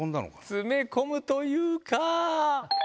詰め込むというか。